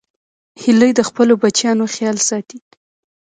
هیلۍ د خپلو بچیانو خیال ساتي